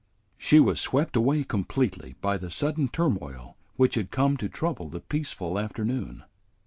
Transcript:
She was swept away completely by the sudden turmoil which had come to trouble the peaceful afternoon.